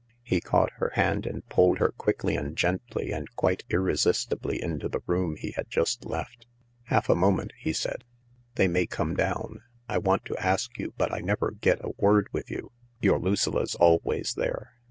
He caught her hand and pulled her quickly and gently and quite irresistibly into the room he had just left. "Half a moment," he said; "they may come down. I want to ask you, but I never get a word with you — your Lucilla 's always there.